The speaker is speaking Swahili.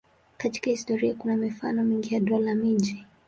Katika historia kuna mifano mingi ya dola-miji.